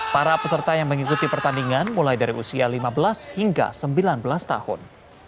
para peserta yang mengikuti pertandingan mulai dari usia lima belas hingga sembilan belas tahun